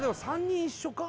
３人一緒か？